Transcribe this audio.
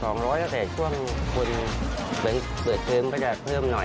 ตั้งแต่ช่วงคนเปิดเทิ่มไปก่อน